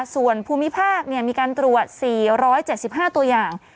ส่วนภูมิภาคมีการตรวจ๔๗๕ตัวอย่าง